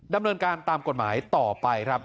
ดำเนินการตามกฎหมายต่อไปครับ